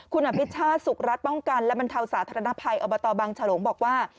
คุณอภิชาติสุขรัฐป้องกันและบรรเทาสาธารณภัยอบตบังฉลงบอกว่า